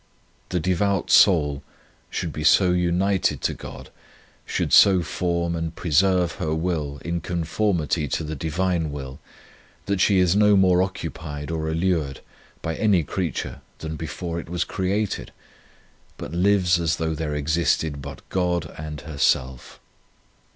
The devout soul should be so 54 A Truly Devout Man united to God, should so form and preserve her will in conformity to the Divine will, that she is no more occupied or allured by any creature than before it was created, but lives as though there existed but God and herself.